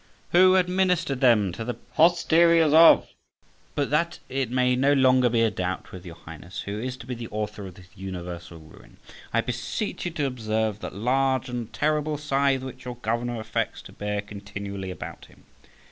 Who administered them to the posteriors of —. But that it may no longer be a doubt with your Highness who is to be the author of this universal ruin, I beseech you to observe that large and terrible scythe which your governor affects to bear continually about him.